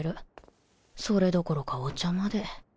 それどころかお茶まで